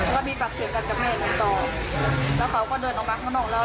ก็มีปากเสียงกันกับแม่น้องต่อแล้วเขาก็เดินออกมาข้างนอกแล้ว